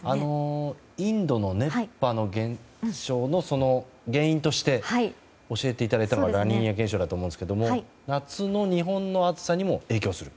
インドの熱波の原因として教えていただいたのがラニーニャ現象だと思うんですが夏の日本の暑さにも影響する？